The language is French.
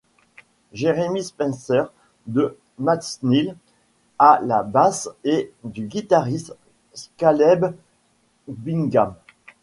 Jeremy Spencer, de Matt Snell à la basse et du guitariste Caleb Bingham.